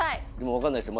分かんないですよ